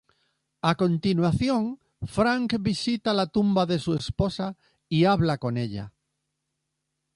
A continuación, Frank visita la tumba de su esposa y habla con ella.